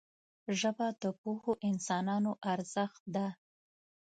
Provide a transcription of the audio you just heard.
ژبه د پوهو انسانانو ارزښت ده